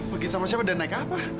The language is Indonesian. pergi sama siapa dan naik ke apa